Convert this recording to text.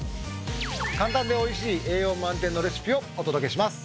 簡単で美味しい栄養満点のレシピをお届けします。